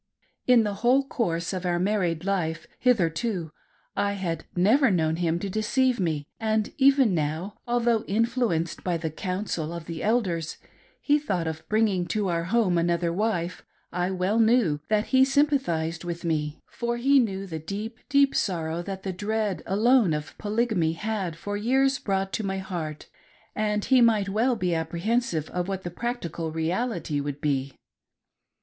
In the whole course of our married life hitherto, I , had never known him to deceive me, and even now, although influenced by the counsel of the Elders, he thought of bring ing to our home another wife, I well kn^w that he sympa thised with me ; for he knew the deep, deep sorrow that the dread alone of Polygamy had for years brought to my heart, and he might well be apprehensive of what the practical reality would be.